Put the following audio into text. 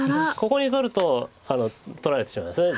ここに取ると取られてしまいますよね